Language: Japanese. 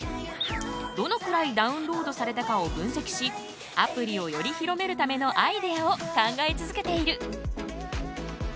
どのくらいダウンロードされたかを分析しアプリをより広めるためのアイデアを考え続けている。